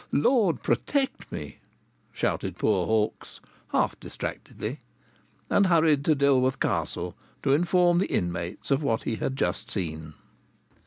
"Lord, protect me!" shouted poor Hawkes, half distractedly, and hurried to Dilworth Castle to inform the inmates of what he had just seen.